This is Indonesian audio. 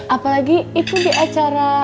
apalagi itu di acara